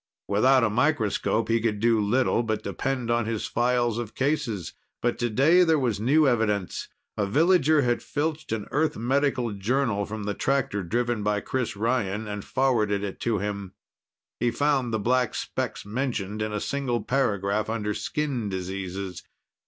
Without a microscope, he could do little but depend on his files of cases. But today there was new evidence. A villager had filched an Earth Medical Journal from the tractor driven by Chris Ryan and forwarded it to him. He found the black specks mentioned in a single paragraph, under skin diseases.